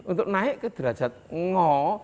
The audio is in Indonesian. untuk naik ke derajat ngo